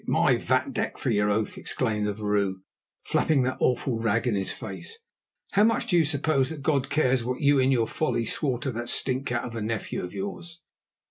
"My vatdoek for your oath!" exclaimed the vrouw, flapping that awful rag in his face. "How much do you suppose that God cares what you in your folly swore to that stinkcat of a nephew of yours?